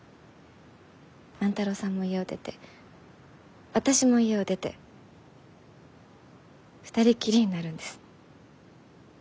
万太郎さんも家を出て私も家を出て２人きりになるんです。